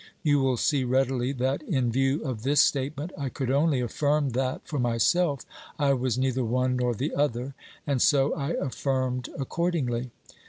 You will see readily that, in view of this statement, I could only affirm that, for myself, I was neither one nor the other, and so I affirmed accordingly.